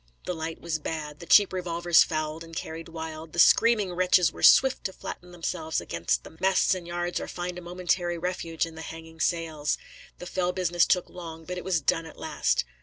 The light was bad, the cheap revolvers fouled and carried wild, the screaming wretches were swift to flatten themselves against the masts and yards or find a momentary refuge in the hanging sails. The fell business took long, but it was done at last.